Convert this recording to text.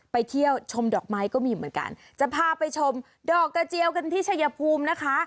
ไปเที่ยวชมดอกไม้ก็มีเหมือนกันจะพาไปชมดอกกระเจียวกันที่ชัยภูมินะคะ